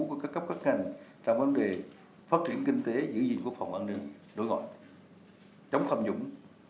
của các cấp các ngành trong vấn đề phát triển kinh tế giữ gìn quốc phòng an ninh đối gọi chống tham dũng